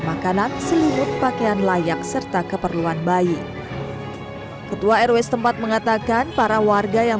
makanan selimut pakaian layak serta keperluan bayi ketua rw setempat mengatakan para warga yang